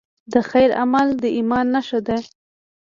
د خیر عمل د ایمان نښه ده.